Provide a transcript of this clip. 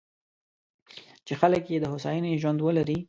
چې خلک یې د هوساینې ژوند ولري.